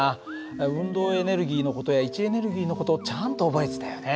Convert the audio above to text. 運動エネルギーの事や位置エネルギーの事をちゃんと覚えてたよね。